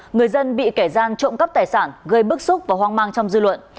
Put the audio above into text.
người dân bị kẻ gian trộm cắp tài sản gây bức xúc và hoang mang trong dư luận